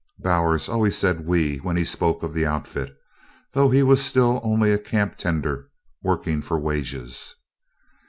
Bowers always said "we" when he spoke of the Outfit, though he was still only a camptender working for wages.